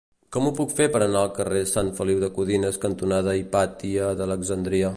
Com ho puc fer per anar al carrer Sant Feliu de Codines cantonada Hipàtia d'Alexandria?